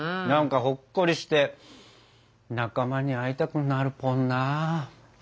なんかほっこりして仲間に会いたくなるポンな。